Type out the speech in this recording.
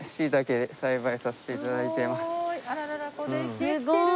すごーい！